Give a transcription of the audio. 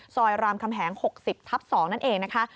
รามคำแหง๖๐ทับ๒นั่นเองนะคะ